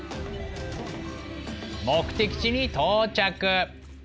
目的地に到着。